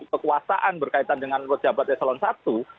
kekuasaan berkaitan dengan rujabat eselon satu